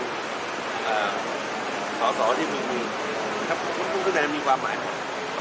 อ่าสอบสอบที่คุณมีครับคุณคุณแสดงมีความหมายครับ